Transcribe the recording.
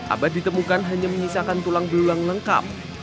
abah ditemukan hanya menyisakan tulang belulang lengkap